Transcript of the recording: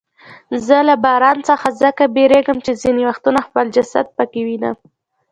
زه له باران څخه ځکه بیریږم چې ځیني وختونه خپل جسد پکې وینم.